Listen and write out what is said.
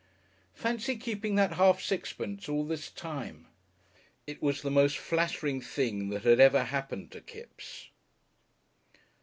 Fancy keeping that half sixpence all this time! It was the most flattering thing that had ever happened to Kipps.